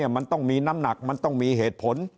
มันต้องมีน้ำหนักมันต้องมีเหตุผล